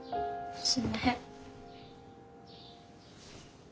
すんまへん。